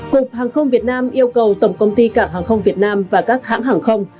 cục hàng không việt nam yêu cầu tổng công ty cảng hàng không việt nam và các hãng hàng không